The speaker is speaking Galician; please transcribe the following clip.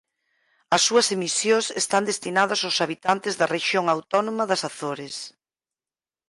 As súas emisións están destinadas aos habitantes da Rexión Autónoma das Azores.